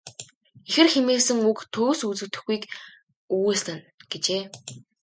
Ихэр хэмээсэн үг төгс үзэгдэхүйг өгүүлсэн нь." гэжээ.